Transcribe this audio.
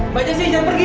mbak jessi jangan pergi